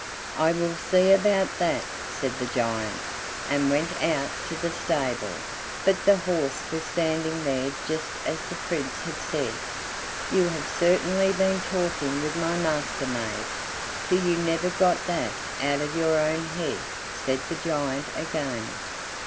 "I will see about that," said the giant, and went out to the stable, but the horse was standing there just as the Prince had said. "You have certainly been talking with my Master maid, for you never got that out of your own head," said the giant again.